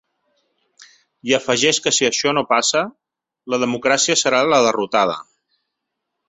I afegeix que si això no passa, la democràcia serà la derrotada.